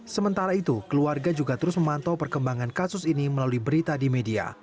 sementara itu keluarga juga terus memantau perkembangan kasus ini melalui berita di media